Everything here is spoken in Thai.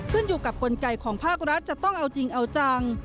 ขึ้นอยู่กับกลไกของภาครัฐจะต้องเอาจริงเอาจัง